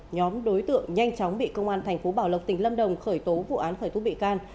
nhóm đối tượng nhanh chóng bị công an thành phố bảo lộc tỉnh lâm đồng khởi tố vụ án khởi tố bị can